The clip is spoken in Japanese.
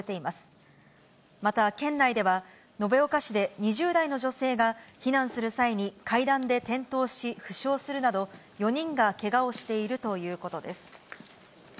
また県内では、延岡市で２０代の女性が避難する際に、階段で転倒し負傷するなど、４人がけがをしているということです。